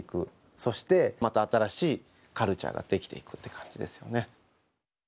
そしてまた新しいカルチャーが出来ていくって感じですよね。